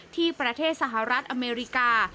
ที่ประเทศสหรัฐอเมริกา